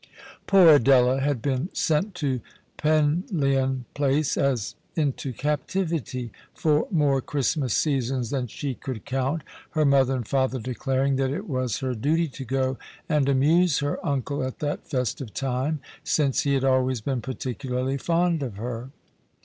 Poor Adela had been sent to Penlyon Place, as into captivity, for more Christmas seasons than she could count, her mother and father declaring that it was her duty to go and amuse her uncle at that festive time, since he had always been particularly fond of her.